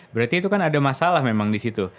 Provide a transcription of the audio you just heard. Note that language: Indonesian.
berarti itu kan ada masalah memang disitu